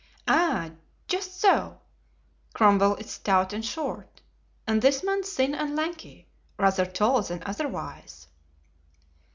"Ah! just so. Cromwell is stout and short, and this man thin and lanky, rather tall than otherwise."